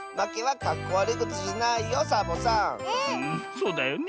そうだよね。